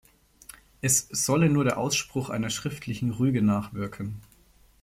Es solle nur der Ausspruch einer schriftlichen Rüge nachwirken.